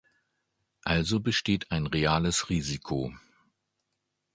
Also besteht ein reales Risiko.